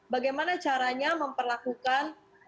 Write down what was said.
bagaimana caranya memperlakukan